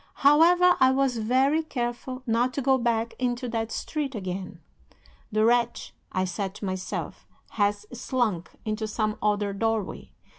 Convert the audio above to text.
However, I was very careful not to go back into that street again. The wretch, I said to myself, has slunk into some other doorway.